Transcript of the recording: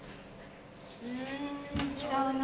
ん違うな。